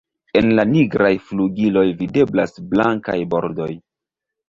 En la nigraj flugiloj videblas blankaj bordoj.